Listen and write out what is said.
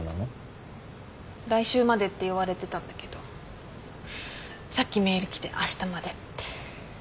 来週までって言われてたんだけどさっきメール来てあしたまでって。